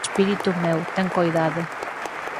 Espírito meu, ten coidado.